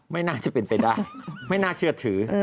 ไม่น่าจะเป็นไปได้ไม่น่าเชื่อถือ